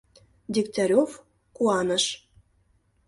Дегтярев куаныш: